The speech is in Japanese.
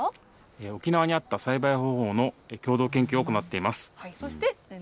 沖縄に合った栽培方法の共同研究を行っています。